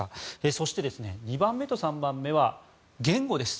そして２番目と３番目は言語です。